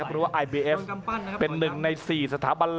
อัศวินาศาสตร์